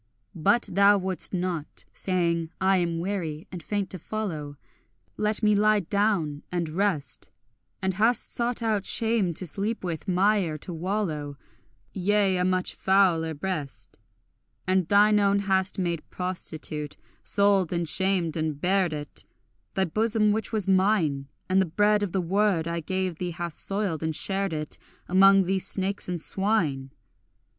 But thou wouldst not, saying, I am weary and faint to follow, Let me lie down and rest; And hast sought out shame to sleep with, mire to wallow, Yea, a much fouler breast: And thine own hast made prostitute, sold and shamed and bared it, Thy bosom which was mine, And the bread of the word I gave thee hast soiled, and shared it Among these snakes and swine.